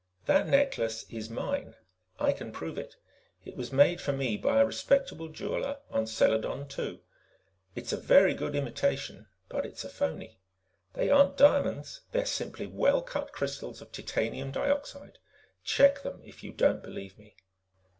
"That necklace is mine. I can prove it. It was made for me by a respectable jeweler on Seladon II. It's a very good imitation, but it's a phoney. They aren't diamonds; they're simply well cut crystals of titanium dioxide. Check them if you don't believe me."